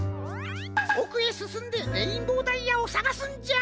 おくへすすんでレインボーダイヤをさがすんじゃ！